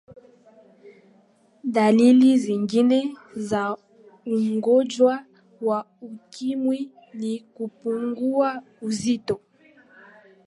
dalili zingine za ugonjwa wa ukimwi ni kupungua uzito